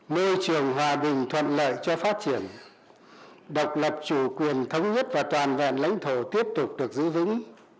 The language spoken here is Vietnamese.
môi trường hòa bình thuận lợi cho phát triển độc lập chủ quyền thống nhất và toàn vẹn lãnh thổ tiếp tục được giữ vững